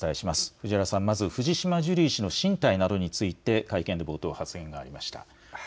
藤原さん、まず藤島ジュリー氏の進退などについて、会見で冒頭発言がありま